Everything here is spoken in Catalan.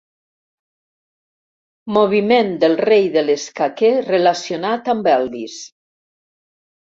Moviment del rei de l'escaquer relacionat amb Elvis.